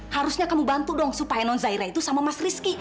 harusnya kamu bantu dong supaya non zaira itu sama mas rizky